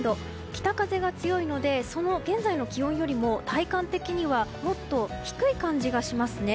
北風が強いので現在の気温よりも体感的にはもっと低い感じがします。